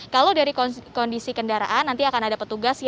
kalau dari kondisi kendaraan nanti akan ada petugas